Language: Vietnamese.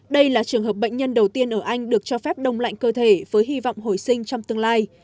đây là trường hợp bệnh nhân đầu tiên ở anh được cho phép đông lạnh cơ thể với hy vọng hồi sinh trong tương lai